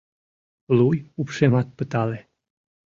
Луй упшемат пытале.